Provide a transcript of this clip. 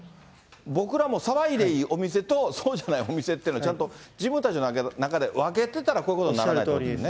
僕らも騒いでいいお店と、そうじゃないお店っていうのをちゃんと自分たちの中で分けてたらこういうことにならないわけですね。